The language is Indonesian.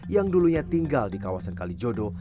yang dulunya tinggal di kawasan kalijodo